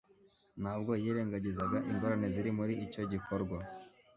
Ntabwo yirengagizaga ingorane ziri muri icyo gikorwa.